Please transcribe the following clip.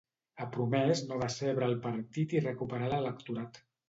Ha promès no decebre el partit i recuperar l'electorat.